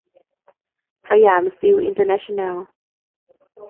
สยามสตีลอินเตอร์เนชั่นแนล